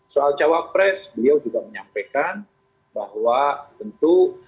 soal cawapres beliau juga menyampaikan bahwa tentu